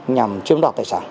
nhằm chiếm đoạt tài sản